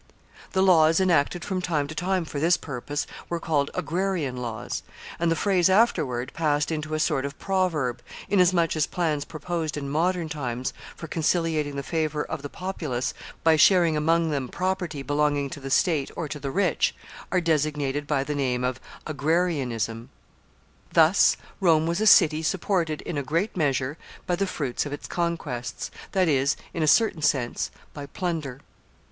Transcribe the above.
The laws enacted from time to time for this purpose were called Agrarian laws; and the phrase afterward passed into a sort of proverb, inasmuch as plans proposed in modern times for conciliating the favor of the populace by sharing among them property belonging to the state or to the rich, are designated by the name of Agrarianism. [Sidenote: Government of Rome.] [Sidenote: Its foreign policy.] Thus Rome was a city supported, in a great measure, by the fruits of its conquests, that is, in a certain sense, by plunder.